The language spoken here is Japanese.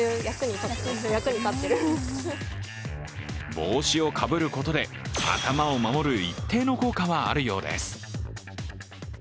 帽子をかぶることで頭を守る一定の効果はあるようです。